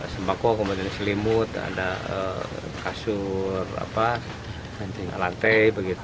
sempako selimut kasur lantai